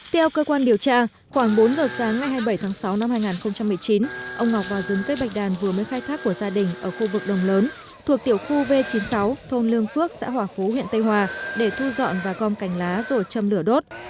theo cơ quan điều tra khoảng bốn giờ sáng ngày hai mươi bảy tháng sáu năm hai nghìn một mươi chín ông ngọc vào rừng cây bạch đàn vừa mới khai thác của gia đình ở khu vực đồng lớn thuộc tiểu khu v chín mươi sáu thôn lương phước xã hòa phú huyện tây hòa để thu dọn và gom cành lá rồi châm lửa đốt